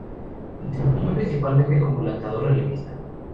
Se desempeñó principalmente como lanzador relevista.